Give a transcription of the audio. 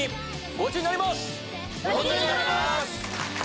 ゴチになります！